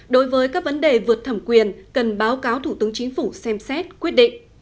đối với các vấn đề vượt thẩm quyền cần báo cáo thủ tướng chính phủ xem xét quyết định